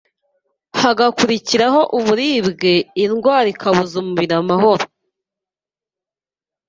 hagakurikiraho uburibwe, indwara ikabuza umubiri amahoro.